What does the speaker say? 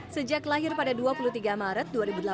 sejak lahir pada dua puluh tiga maret dua ribu delapan belas